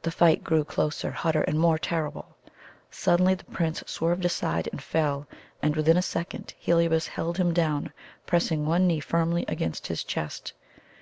The fight grew closer, hotter, and more terrible. Suddenly the Prince swerved aside and fell, and within a second Heliobas held him down, pressing one knee firmly against his chest.